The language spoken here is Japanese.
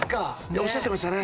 おっしゃってましたね。